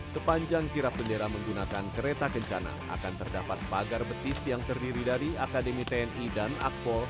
sepanjang kirap bendera menggunakan kereta kencana akan terdapat pagar betis yang terdiri dari akademi tni dan akpol